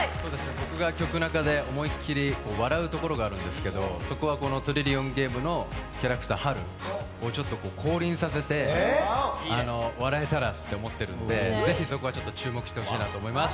僕が曲中で思い切り笑うところがあるんですけれども、そこはこの「トリリオンゲーム」のキャラクター・ハルを降臨させて笑えたらって思ってるので、ぜひそこは注目してもらいたいと思います。